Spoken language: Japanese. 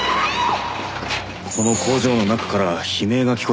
この工場の中から悲鳴が聞こえてきて。